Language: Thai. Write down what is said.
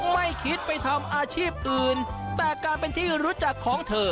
ไม่คิดไปทำอาชีพอื่นแต่การเป็นที่รู้จักของเธอ